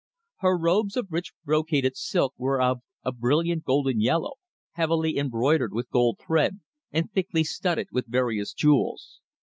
Her robes of rich brocaded silk were of a brilliant golden yellow, heavily embroidered with gold thread, and thickly studded with various jewels.